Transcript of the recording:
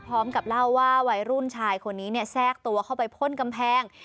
พร้อมกับเล่าว่าวัยรุ่นชายคนนี้เนี่ยแทรกตัวเข้าไปพ่นกำแพง